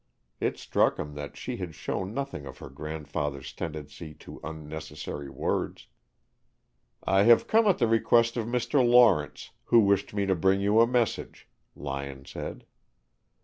It struck him that she had shown nothing of her grandfather's tendency to unnecessary words. "I have come at the request of Mr. Lawrence, who wished me to bring you a message," Lyon said.